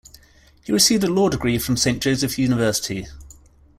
He received a law degree from Saint Joseph University.